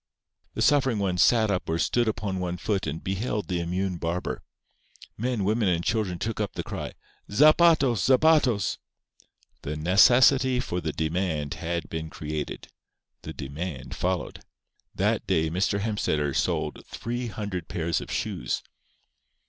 The suffering ones sat up or stood upon one foot and beheld the immune barber. Men, women and children took up the cry: "Zapatos! zapatos!" The necessity for the demand had been created. The demand followed. That day Mr. Hemstetter sold three hundred pairs of shoes.